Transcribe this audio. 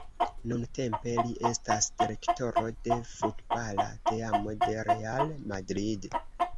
Nuntempe li estas direktoro de futbala teamo de Real Madrid.